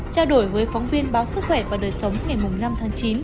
trao đổi với phóng viên báo sức khỏe và đời sống ngày năm tháng chín